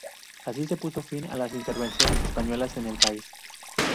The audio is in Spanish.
Así se puso fin a las intervenciones españolas en el país.